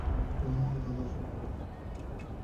ওনার নাম ছিল মালার।